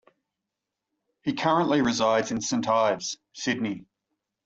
He currently resides in Saint Ives, Sydney.